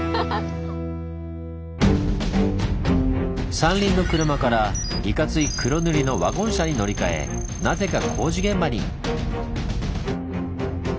三輪の車からいかつい黒塗りのワゴン車に乗り換えなぜか工事現場に。